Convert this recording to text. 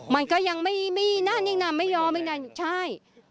มันก็ยังไม่ยอมยังไงใช่